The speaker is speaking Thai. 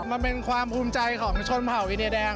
มันเป็นความภูมิใจของชนเผ่าอินเดียแดง